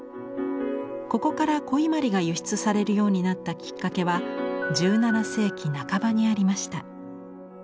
ここから古伊万里が輸出されるようになったきっかけは１７世紀半ばにありました。